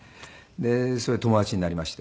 でそれで友達になりまして。